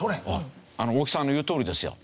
大木さんの言うとおりですよ。